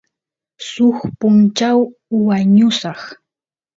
suk punchaw wañusaq